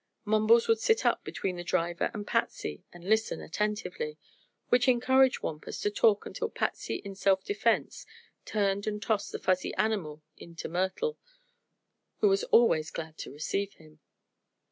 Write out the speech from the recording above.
Mumbles would sit up between the driver and Patsy and listen attentively, which encouraged Wampus to talk until Patsy in self defense turned and tossed the fuzzy animal in to Myrtle, who was always glad to receive him.